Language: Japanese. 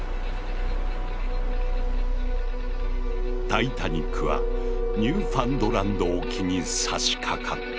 タイタニックはニューファンドランド沖にさしかかった。